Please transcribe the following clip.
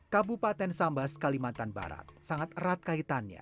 kabupaten sambas kalimantan barat sangat erat kaitannya